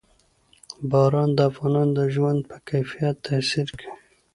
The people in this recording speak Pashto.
باران د افغانانو د ژوند په کیفیت تاثیر کوي.